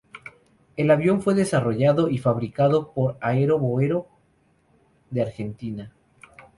El avión fue desarrollado y fabricado por Aero Boero, de Argentina.